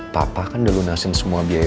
papa kan udah lunasin semua biaya